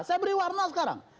saya beri warna sekarang